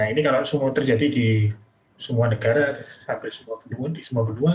ini kalau terjadi di semua negara atau di semua benua